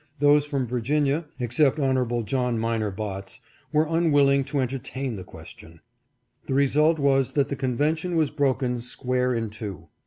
Those from Virginia, except Hon. John Minor Botts, were unwilling to entertain the question. The result was that the convention was broken square in two.